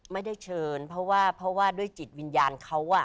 ไม่ได้เชิญเพราะว่าด้วยจิตวิญญาณเขา